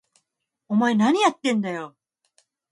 お前、なにやってんだよ！？